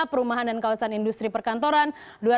perumahan dan kawasan industri perkantoran